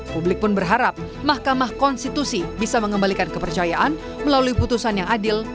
publik pun berharap mahkamah konstitusi bisa mengembalikan kepercayaan melalui putusan yang adil